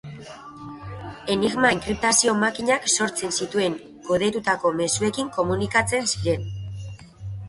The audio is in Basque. Enigma enkriptazio makinak sortzen zituen kodetutako mezuekin komunikatzen ziren.